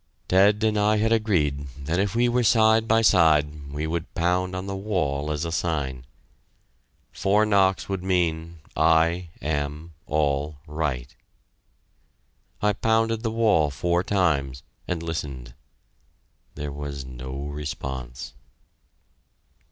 Ted and I had agreed that if we were side by side, we would pound on the wall as a sign. Four knocks would mean "I am all right." I pounded the wall four times, and listened. There was no response.